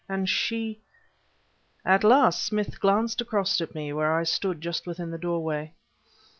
and she... At last Smith glanced across at me where I stood just within the doorway.